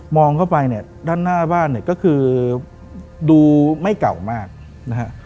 องเข้าไปเนี่ยด้านหน้าบ้านเนี่ยก็คือดูไม่เก่ามากนะฮะ